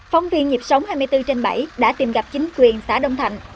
phóng viên nhịp sống hai mươi bốn trên bảy đã tìm gặp chính quyền xã đông thạnh